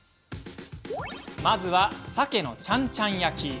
まずは、さけのちゃんちゃん焼き。